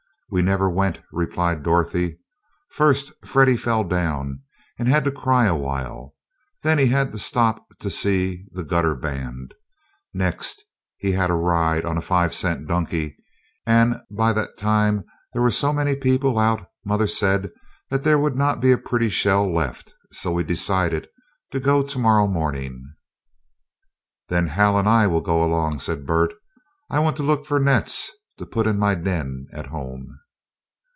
"We never went," replied Dorothy. "First, Freddie fell down and had to cry awhile, then he had to stop to see the gutter band, next he had a ride on the five cent donkey, and by that time there were so many people out, mother said there would not be a pretty shell left, so we decided to go to morrow morning." "Then Hal and I will go along," said Bert. "I want to look for nets, to put in my den at home."